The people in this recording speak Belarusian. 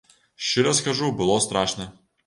Шчыра скажу, было страшна.